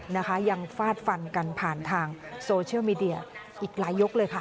นะคะยังฟาดฟันกันผ่านทางโซเชียลมีเดียอีกหลายยกเลยค่ะ